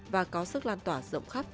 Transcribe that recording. và có sức lan tỏa rộng khắp